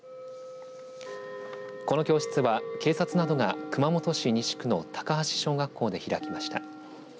この教室は警察などが熊本市西区の高橋小学校で開きました。